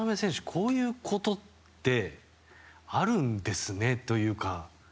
こういうことってあるんですねっていうか。